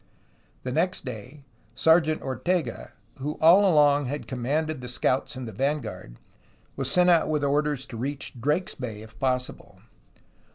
The next day Sergeant Ortega, who all along had commanded the scouts in the vanguard, was sent out with orders to reach Drake's Bay if possible.